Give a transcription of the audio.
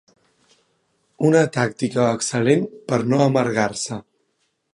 Una tàctica excel·lent per no amargar-se.